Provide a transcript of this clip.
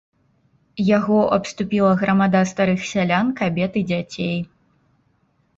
Яго абступіла грамада старых сялян, кабет і дзяцей.